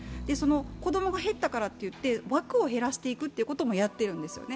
子供が減ったからといって枠を減らしていくということもやっているんですね。